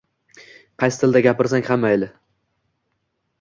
Qaysi tilda gapirsang ham mayli.